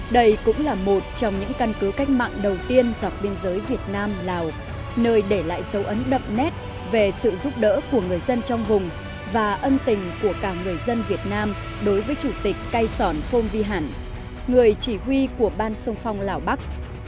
đây cũng là một trong những căn cứ cách mạng đầu tiên dọc biên giới việt nam lào nơi để lại dấu ấn đậm nét về sự giúp đỡ của người dân trong vùng và ân tình của cả người dân việt nam đối với chủ tịch cai sòn phong vi hẳn người chỉ huy của ban sông phong lào bắc